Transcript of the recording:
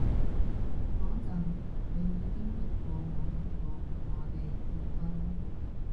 嗰陣你已經迫過我同個唔愛嘅人結婚